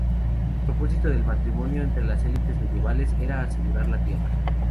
El propósito del matrimonio entre las elites medievales era asegurar la tierra.